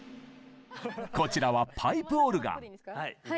こちらはパイプオルガン。